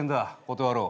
断ろう。